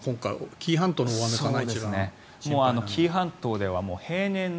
紀伊半島の大雨かな。